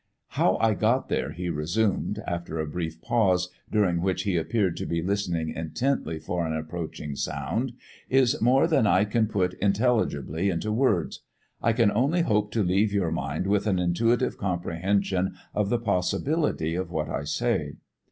"How I got there," he resumed after a brief pause, during which he appeared to be listening intently for an approaching sound, "is more than I can put intelligibly into words. I can only hope to leave your mind with an intuitive comprehension of the possibility of what I say.